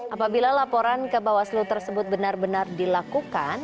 apabila laporan ke bawaslu tersebut benar benar dilakukan